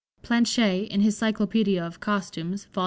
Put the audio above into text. Planché, in his "Cyclopædia of Costumes" (vol.